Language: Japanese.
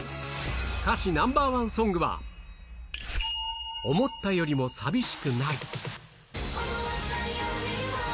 歌詞ナンバー１ソングは、思ったよりも寂しくない。